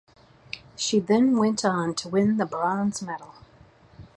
She then went on to win the bronze medal.